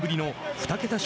２桁